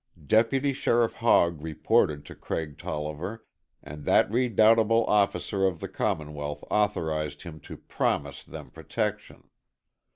Deputy Sheriff Hogg reported to Craig Tolliver, and that redoubtable officer of the Commonwealth authorized him to promise them protection.